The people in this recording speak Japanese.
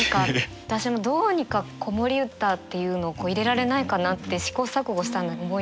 私もどうにか子守歌っていうのを入れられないかなって試行錯誤したのに思いつかない。